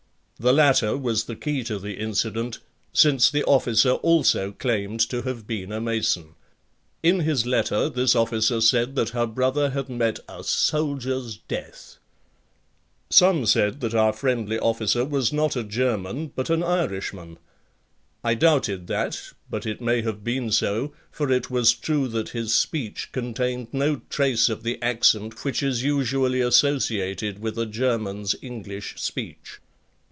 The latter was the key to the incident since the officer also claimed to have been a Mason. In his letter this officer said that her brother had met a soldier's death! Some said that our friendly officer was not a German but an Irishman. I doubted that but it may have been so, for it was true that his speech contained no trace of the accent which is usually associated with a German's English speech.